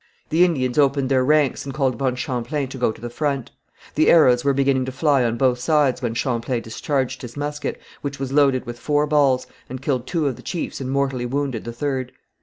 The Indians opened their ranks and called upon Champlain to go to the front. The arrows were beginning to fly on both sides when Champlain discharged his musket, which was loaded with four balls, and killed two of the chiefs and mortally wounded the third.